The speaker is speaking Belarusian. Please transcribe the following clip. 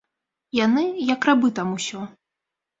Яны як рабы там усё.